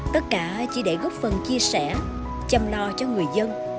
tất cả chỉ để góp phần chia sẻ chăm lo cho người dân